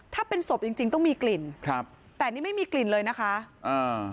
ถ้าเป็นศพจริงจริงต้องมีกลิ่นครับแต่นี่ไม่มีกลิ่นเลยนะคะอ่า